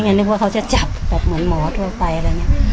นึกว่าเขาจะจับแบบเหมือนหมอทั่วไปอะไรอย่างนี้